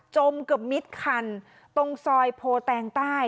เกือบมิดคันตรงซอยโพแตงใต้